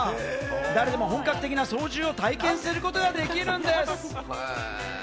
誰でも本格的な操縦を体験することができるんです。